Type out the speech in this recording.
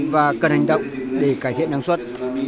và cần hành động để cải thiện năng suất